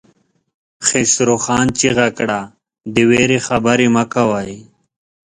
خسرو خان چيغه کړه! د وېرې خبرې مه کوئ!